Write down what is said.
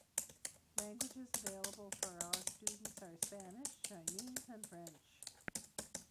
Languages available for all students are Spanish, Chinese, and French.